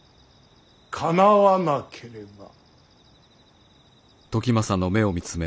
かなわなければ。